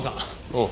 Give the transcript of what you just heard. おう。